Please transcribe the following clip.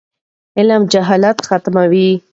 علم جهالت ختموي.